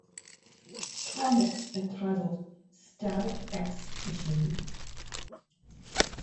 Comics entitled Static-X Machine.